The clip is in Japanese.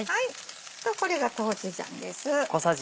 あとこれが豆醤です。